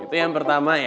itu yang pertama ya